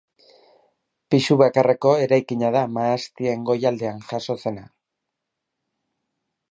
Pisu bakarreko eraikina da, mahastien goialdean jaso zena.